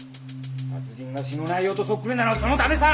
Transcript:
殺人が詩の内容とそっくりなのはそのためさ！